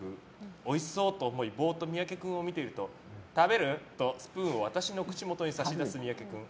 おいしそうと思いぼーっと三宅君を見ていると食べる？とスプーンを私の口元に差し出す三宅君。